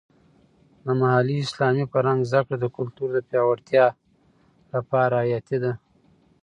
د محلي اسلامي فرهنګ زده کړه د کلتور د پیاوړتیا لپاره حیاتي ده.